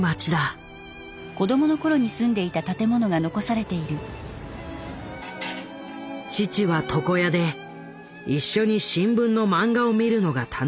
父は床屋で一緒に新聞のマンガを見るのが楽しみだったという。